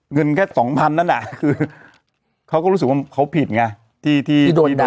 เงินแค่สองพันนั่นน่ะคือเขาก็รู้สึกว่าเขาผิดไงที่โดน